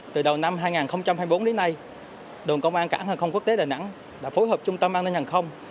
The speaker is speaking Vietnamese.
từ đầu năm hai nghìn hai mươi bốn đến nay đồn công an cảng hàng không quốc tế đà nẵng đã phối hợp trung tâm an ninh hàng không